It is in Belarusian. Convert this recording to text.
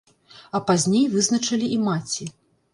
А пазней вызначылі і маці.